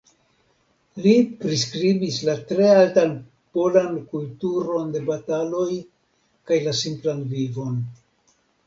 Li priskribis la tre altan polan kulturon de bataloj kaj la simplan vivon.